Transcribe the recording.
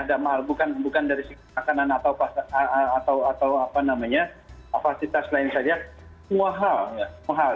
dan bukan dari makanan atau apa namanya fasilitas lain saja mahal